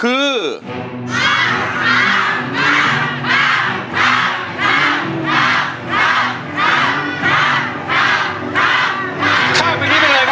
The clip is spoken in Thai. ก็คือร้องให้เหมือนเพลงเมื่อสักครู่นี้